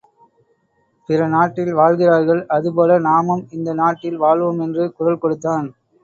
பிற நாட்டில் வாழ்கிறார்கள் அதுபோல நாமும் இந்த நாட்டில் வாழ்வோம் என்று குரல் கொடுத்தான்.